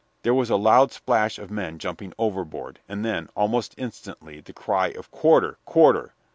There was a loud splash of men jumping overboard, and then, almost instantly, the cry of "Quarter! quarter!"